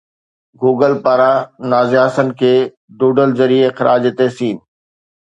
Google پاران نازيه حسن کي doodle ذريعي خراج تحسين